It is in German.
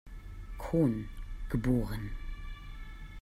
Kohn, geboren.